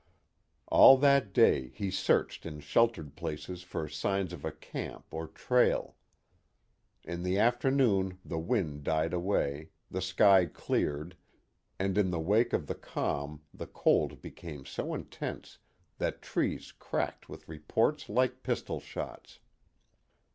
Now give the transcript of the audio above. All that day he searched in sheltered places for signs of a camp or trail. In the afternoon the wind died away, the sky cleared, and in the wake of the calm the cold became so intense that trees cracked with reports like pistol shots.